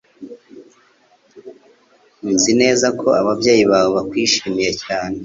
Nzi neza ko ababyeyi bawe bakwishimiye cyane.